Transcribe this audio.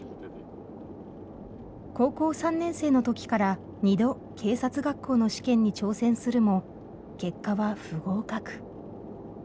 高校３年生の時から２度警察学校の試験に挑戦するも結果は不合格。